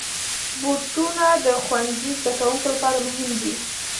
بوټونه د ښوونځي زدهکوونکو لپاره مهم دي.